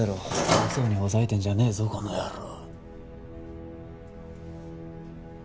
偉そうにほざいてんじゃねえぞこの野郎。